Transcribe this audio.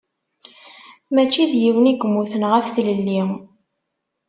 Mačči d yiwen i yemmuten ɣef tlelli.